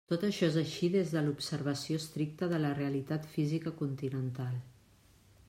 Tot això és així des de l'observació estricta de la realitat física continental.